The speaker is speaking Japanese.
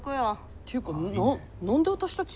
っていうか何で私たち？